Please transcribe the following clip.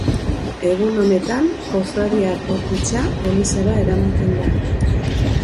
Egun honetan Kofradiako kutxa elizara eramaten da.